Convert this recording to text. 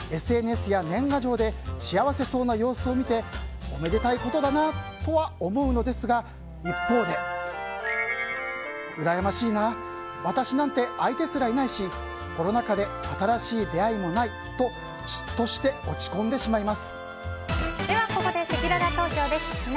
ＳＮＳや年賀状で幸せそうな様子を見ておめでたいことだなとは思うのですが一方で、うらやましいな私なんて相手すらいないしコロナ禍で新しい出会いもないとでは、ここでせきらら投票です。